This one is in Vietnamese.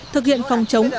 thực hiện phòng chống